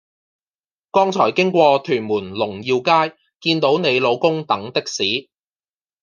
剛才經過屯門龍耀街見到你老公等的士